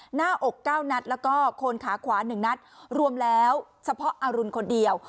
หน้าอก๙นัดแล้วก็โคนขาขวา๑นัดรวมแล้วเฉพาะอรุณคนเดียว